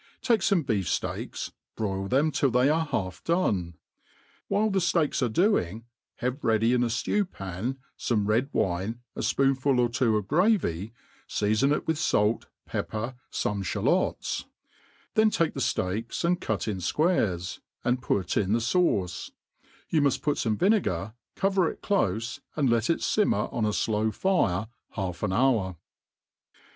TAKE fome beef fteaks^ broil thetti tiH they are kalf dSMI^r while the {leaks are doing^ have ready in a ffew^patt'faktte ted wine, a fpoonful or tvro of^gravy^ feafon it with iaity pepper, Ibme fhalots ; theni take the fl^ks, and cut in fquare^^ and put ia the fauce ; you muft put f6mtf vinegar^ cover it €lofe^ and let it fimmer on a flow fire half an hour.